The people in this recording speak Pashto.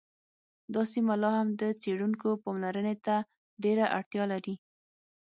دا سیمه لا هم د څیړونکو پاملرنې ته ډېره اړتیا لري